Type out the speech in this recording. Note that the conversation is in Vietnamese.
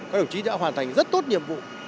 các đồng chí đã hoàn thành rất tốt nhiệm vụ